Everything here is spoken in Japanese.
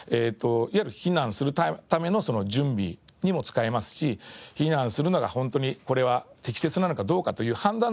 いわゆる避難するための準備にも使えますし避難するのが本当にこれは適切なのかどうかという判断